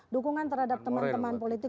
dukungan terhadap teman teman politik